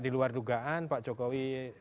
diluar dugaan pak jokowi